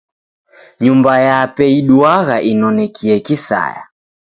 Nyumba yape iduagha inonekie kisaya.